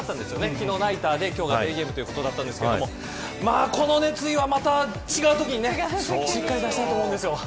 昨日ナイターで今日はデーゲームということだったんですけどこの熱意は、違うところでしっかり出したいと思います。